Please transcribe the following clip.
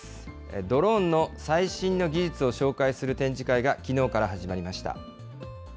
ドローンの最新の技術を紹介する展示会が、きのうから始まりました。